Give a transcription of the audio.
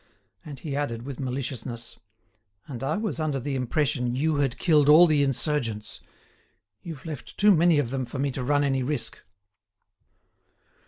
And he added, with maliciousness, "And I was under the impression you had killed all the insurgents! You've left too many of them for me to run any risk."